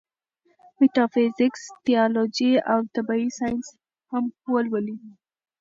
ميټافزکس ، تيالوجي او طبعي سائنس هم ولولي